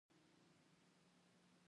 کندز سیند د افغانستان د ملي هویت نښه ده.